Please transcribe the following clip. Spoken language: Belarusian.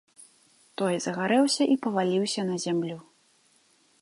Той загарэўся і паваліўся на зямлю.